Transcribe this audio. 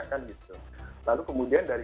kan gitu lalu kemudian dari